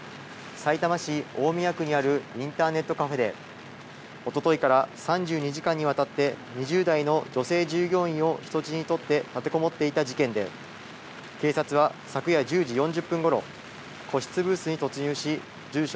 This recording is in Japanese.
さいたま市大宮区にあるインターネットカフェでおとといから３２時間にわたって２０代の女性従業員を人質に取って立てこもっていた事件で警察は昨夜１０時４０分ごろ、個室ブースに突入し住所